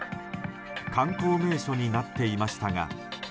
観光名所になっていましたが。